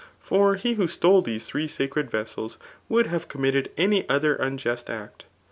For he who stole these three sacred vessels, would have committed any other unjust act.